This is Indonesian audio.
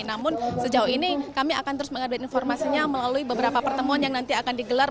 namun sejauh ini kami akan terus mengupdate informasinya melalui beberapa pertemuan yang nanti akan digelar